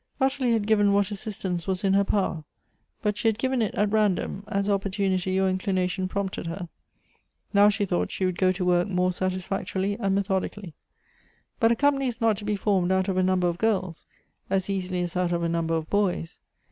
Ottilie had gi\'en what assistance was in her power, but she had given it at ran dom, as opportunity or inclination prompted her; now she tliought she would go to work more s.atisfactorily and methodically. But a company is not to be formed out of a number of girls, as easily as out of a number of boys.